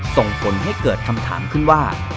ส่งผลให้เกิดคำถามขึ้นว่า